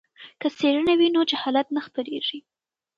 که څیړنه وي نو جهالت نه خپریږي.